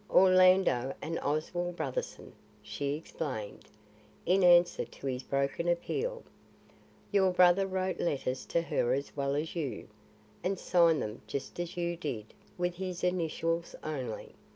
"Orlando and Oswald Brotherson," she explained, in answer to his broken appeal. "Your brother wrote letters to her as well as you, and signed them just as you did, with his initials only.